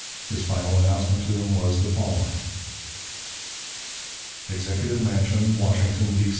His final announcement to them was the following: "EXECUTIVE MANSION, WASHINGTON, D.